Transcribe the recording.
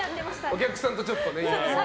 お客さんとちょっとね。